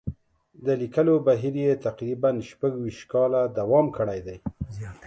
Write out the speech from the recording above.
د لیکلو بهیر یې تقریباً شپږ ویشت کاله دوام کړی دی.